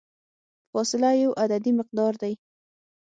فاصله یو عددي مقدار دی.